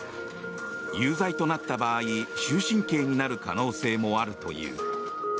有罪となった場合終身刑になる可能性もあるという。